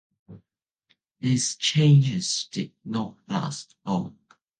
These changes did not last long.